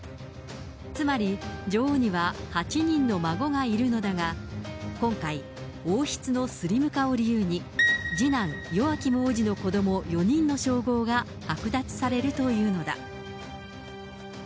つまり女王には８人の孫がいるのだが、今回、王室のスリム化を理由に次男、ヨアキム王子の子ども４人の称号が剥奪されるというのだ。